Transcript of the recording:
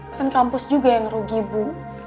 kan kampus juga yang rugi bu